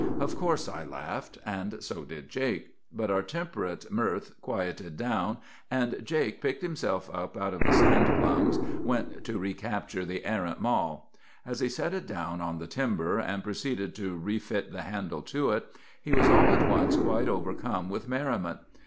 "Of course I laughed, and so did Jake; but our temperate mirth quieted down, and Jake, picking himself up out of the sand plums, went to re capture the errant mall. As he set it down on the timber, and proceeded to refit the handle to it, he was all at once quite overcome with merriment.